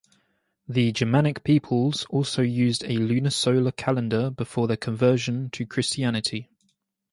The Germanic peoples also used a lunisolar calendar before their conversion to Christianity.